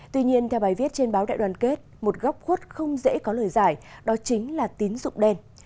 tuy nhiên theo bài viết trên báo đại đoàn kết một góc khuất không dễ có lời giải đó chính là tín dụng đen